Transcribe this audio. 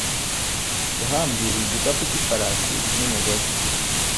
Yahambiriye igikapu cy'ifarashi n'umugozi.